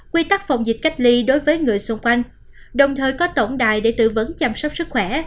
quy tắc phòng dịch cách ly đối với người xung quanh đồng thời có tổng đài để tư vấn chăm sóc sức khỏe